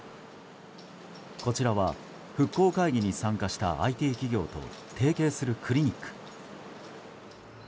こちらは復興会議に参加したＩＴ企業と提携するクリニック。